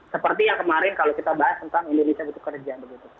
seperti yang kemarin kalau kita bahas tentang indonesia butuh kerja